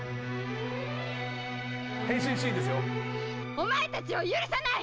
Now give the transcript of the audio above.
「お前たちを許さない！」